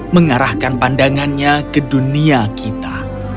mengarahkan pandangannya ke dunia kita